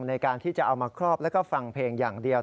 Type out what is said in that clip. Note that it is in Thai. ในการที่จะเอามาครอบแล้วก็ฟังเพลงอย่างเดียว